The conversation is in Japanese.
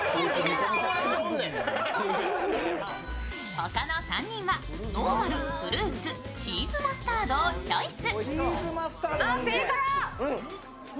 他の３人はノーマル、フルーツ、チーズマスタードをチョイス。